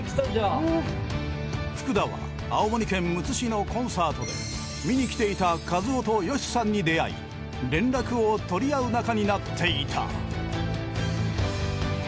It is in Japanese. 福田は青森県むつ市のコンサートで観にきていた一夫とヨシさんに出会い連絡を取り合う仲になっていた。